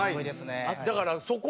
だからそこで。